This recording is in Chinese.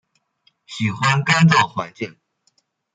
喜欢干燥环境。